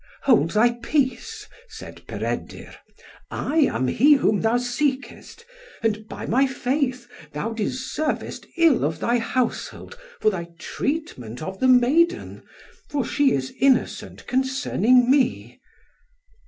"Hold thy peace," said Peredur, "I am he whom thou seekest; and by my faith, thou deservest ill of thy household for thy treatment of the maiden, for she is innocent concerning me."